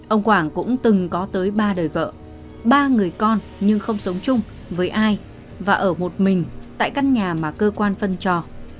ông quảng cũng từng có tới ba đời vợ ba người con nhưng không sống chung với ai và ở một mình tại căn nhà mà cơ quan phân cho